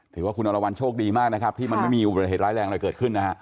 ถือว่าคุณอรวรรณโชคดีมากนะครับที่มันไม่มีอุบัติเหตุร้ายแรงอะไรเกิดขึ้นนะฮะ